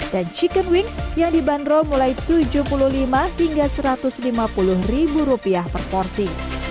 dan chicken wings yang dibanderol mulai tujuh puluh lima hingga satu ratus lima puluh ribu rupiah per porsi